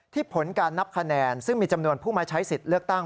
ผลการนับคะแนนซึ่งมีจำนวนผู้มาใช้สิทธิ์เลือกตั้ง